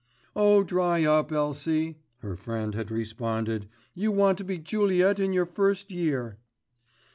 "Oh! dry up, Elsie," her friend had responded, "you want to be Juliet in your first year."